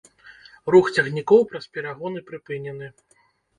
Рух цягнікоў праз перагоны прыпынены.